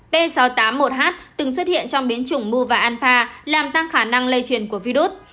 p sáu trăm tám mươi một h từng xuất hiện trong biến chủng mu và anfa làm tăng khả năng lây truyền của virus